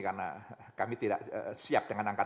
karena kami tidak siap dengan angka